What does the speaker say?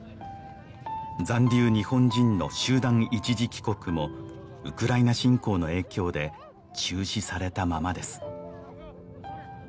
残留日本人の集団一時帰国もウクライナ侵攻の影響で中止されたままです